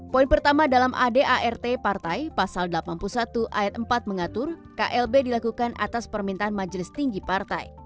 poin pertama dalam adart partai pasal delapan puluh satu ayat empat mengatur klb dilakukan atas permintaan majelis tinggi partai